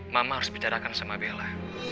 mama harus bicarakan sama bella